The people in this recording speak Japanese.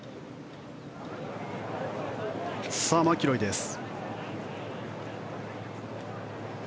マキロイです。